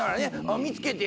見つけて。